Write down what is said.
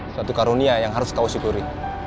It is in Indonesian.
suatu karunia yang harus kau syukuri